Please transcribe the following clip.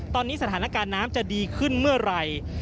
ตอนนี้สถานการณ์น้ำจะดีขึ้นเมื่อไหร่